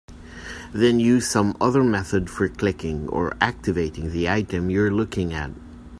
Then use some other method for clicking or "activating" the item you're looking at.